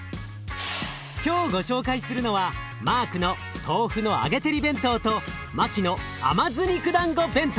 今日ご紹介するのはマークの豆腐の揚げ照り弁当とマキの甘酢肉だんご弁当。